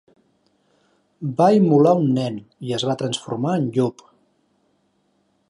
Va immolar un nen i es va transformar en llop.